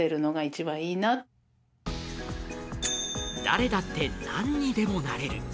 誰だって何にでもなれる。